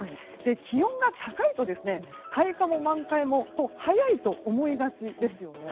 気温が高いと、開花も満開も早いと思いがちですよね。